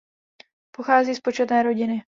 Pochází z početné rodiny.